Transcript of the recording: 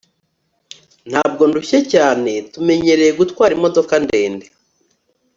ntabwo ndushye cyane. tumenyereye gutwara imodoka ndende